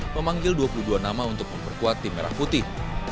memanggil dua puluh dua nama untuk memperkuat tim merah putih